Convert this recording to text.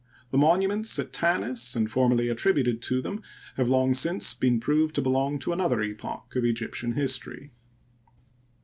The monuments found at Tanis and formerly attributed to them have long since been proved to belong to another epoch of Egyptian history.